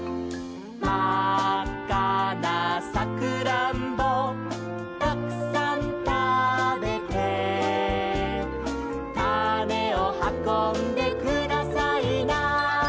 「まっかなサクランボたくさんたべて」「たねをはこんでくださいな」